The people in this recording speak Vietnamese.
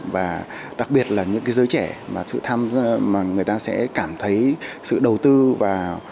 và đặc biệt là những giới trẻ mà người ta sẽ cảm thấy sự đầu tư và